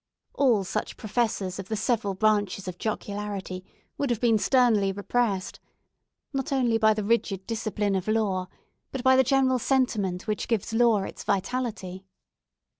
All such professors of the several branches of jocularity would have been sternly repressed, not only by the rigid discipline of law, but by the general sentiment which give law its vitality.